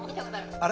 あれ？